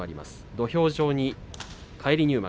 土俵上に返り入幕